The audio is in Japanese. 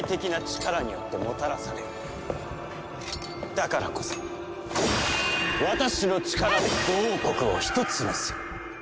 だからこそ私の力で５王国を一つにする。